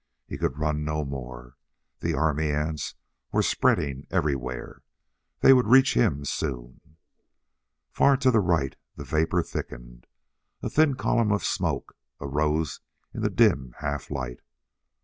He could run no more. The army ants were spreading everywhere. They would reach him soon. Far to the right, the vapor thickened. A thin column of smoke arose in the dim half light.